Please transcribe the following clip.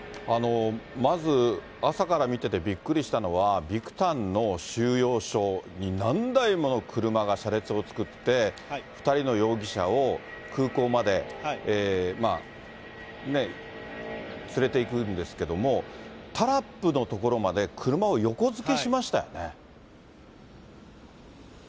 まず朝から見ててびっくりしたのは、ビクタンの収容所に何台もの車が車列を作って、２人の容疑者を空港まで連れていくんですけども、タラップの所まで車を横付けしましたよね。